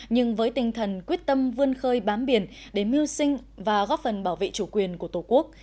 nhưng với tinh thần quyết tâm vươn khơi bám biển để mưu sinh và góp phần bảo vệ chủ quyền của tổ quốc